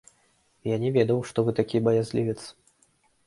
Я не ведаў, што вы такі баязлівец.